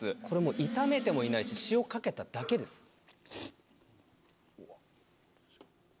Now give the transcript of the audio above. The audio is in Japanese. これもう炒めてもいないし塩かけただけです。